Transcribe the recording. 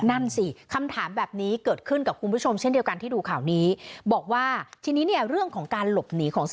นั่นสิคำถามแบบนี้เกิดขึ้นกับคุณผู้ชม